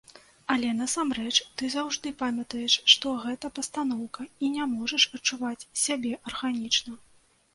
Але насамрэч ты заўжды памятаеш, што гэта пастаноўка і не можаш адчуваць сябе арганічна.